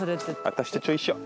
私たちと一緒。